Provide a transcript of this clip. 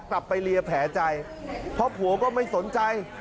ไปเลียแผลใจเพราะผัวก็ไม่สนใจ